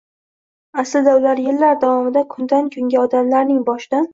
Aslida, ular yillar davomida kundan-kunga odamlarning boshidan